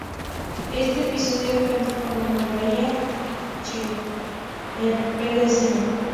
Este episodio cuenta con Ana María Picchio, en el papel de asesina.